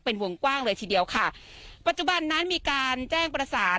เป็นวงกว้างเลยทีเดียวค่ะปัจจุบันนั้นมีการแจ้งประสาน